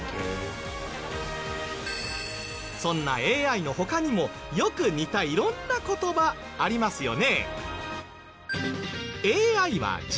そんなＡＩの他にもよく似た色んな言葉ありますよね。